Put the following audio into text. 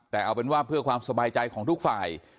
แต่เอาเป็นว่าเพื่อความสบายใจของทุกฝ่าย